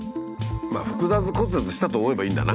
複雑骨折したと思えばいいんだな。